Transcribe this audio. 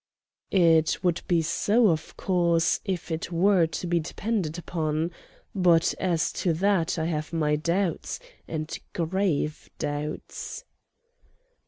"It would be so, of course, if it were to be depended upon. But as to that I have my doubts, and grave doubts."